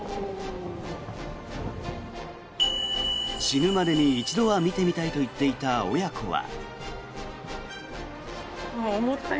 死ぬまでに一度は見てみたいと言っていた親子は。